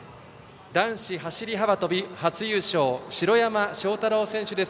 男子走り幅跳び、初優勝城山正太郎選手です。